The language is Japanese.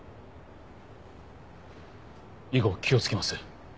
以後気をつけます。